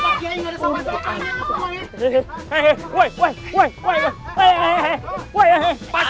pasti lu udah dirimpin kek